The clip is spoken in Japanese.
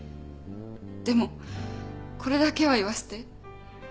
でもこれだけは言わせて。